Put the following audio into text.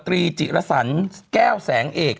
ดิจิระสรรแก้วแสงเอก